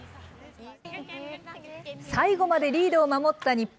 最後までリードを守った日本。